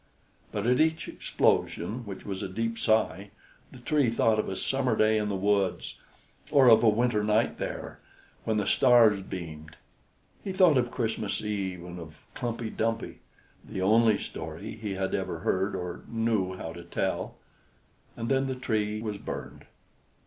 But at each explosion, which was a deep sigh, the Tree thought of a summer day in the woods, or of a winter night there, when the stars beamed; he thought of Christmas Eve and of Klumpey Dumpey, the only story he had ever heard or knew how to tell; and then the Tree was burned.